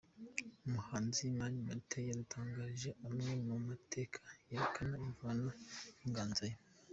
Umuhanzi Mani Martin yadutangarijwe amwe mu mateka yerekana imvano y’inganzo ye.